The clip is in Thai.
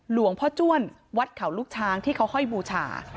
หลวงพ่อจ้วนวัดเขาลูกช้างที่เขาห้อยบูชา